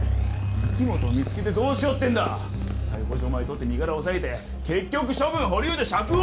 御木本見つけてどうしようってんだ逮捕状まで取って身柄をおさえて結局処分保留で釈放